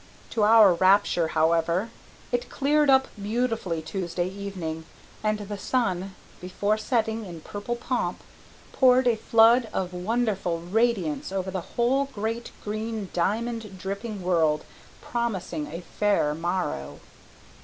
To our rapture, however, it cleared up beautifully Tuesday evening, and the sun, before setting in purple pomp, poured a flood of wonderful radiance over the whole great, green, diamond dripping world, promising a fair morrow.